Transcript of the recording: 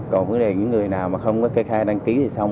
còn những người nào mà không có kê khai đăng ký thì xong